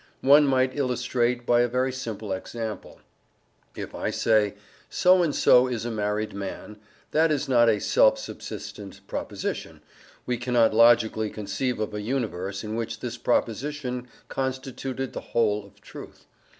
One might illustrate by a very simple example: if I say "so and so is a married man," that is not a self subsistent proposition. We cannot logically conceive of a universe in which this proposition constituted the whole of truth.